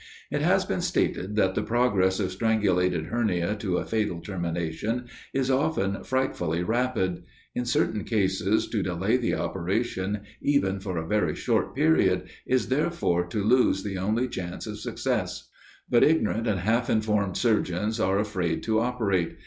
It has been stated that the progress of strangulated hernia to a fatal termination is often frightfully rapid; in certain cases to delay the operation, even for a very short period, is, therefore, to lose the only chance of success. But ignorant and half informed surgeons are afraid to operate.